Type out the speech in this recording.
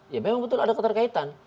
ya memang betul ada keterkaitan